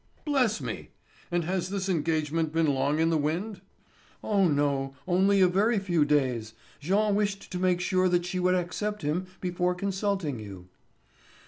"Bless me! And has this engagement been long in the wind?" "Oh, no, only a very few days. Jean wished to make sure that she would accept him before consulting you."